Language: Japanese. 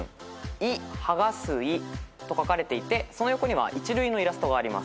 「いはがすい」と書かれていてその横には一塁のイラストがあります。